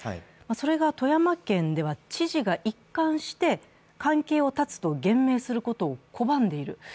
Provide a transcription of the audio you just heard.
それが富山県では知事が一貫して関係を断つと言明することを拒んでいる。